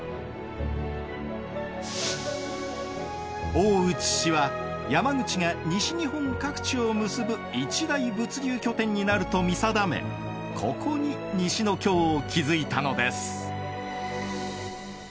大内氏は山口が西日本各地を結ぶ一大物流拠点になると見定めここに西の京を築いたのです。